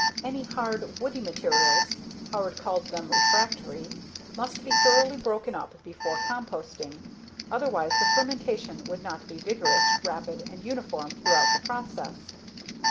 Any hard, woody materials Howard called them "refractory" must be thoroughly broken up before composting, otherwise the fermentation would not be vigorous, rapid, and uniform throughout the process.